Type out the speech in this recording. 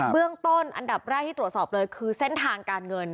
เบื้องต้นอันดับแรกที่ตรวจสอบเลยคือเส้นทางการเงิน